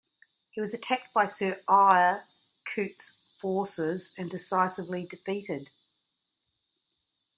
He was attacked by Sir Eyre Coote's forces and decisively defeated.